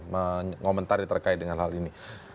mengomentari terkait dengan hal ini